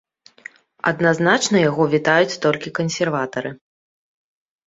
Адназначна яго вітаюць толькі кансерватары.